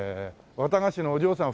綿菓子のお嬢さん